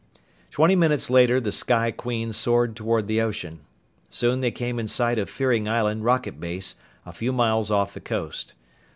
Twenty minutes later the Sky Queen soared toward the ocean. Soon they came in sight of Fearing Island rocket base, a few miles off the coast.